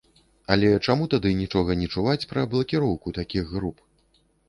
Але чаму тады нічога не чуваць пра блакіроўку такіх груп?